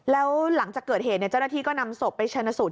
แล้วหลังจากเกิดเหตุเจ้าหน้าที่ก็นำศพไปชนะสูตร